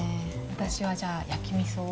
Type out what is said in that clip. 私はじゃあ焼きみそを。